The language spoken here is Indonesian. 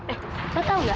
eh lu tau gak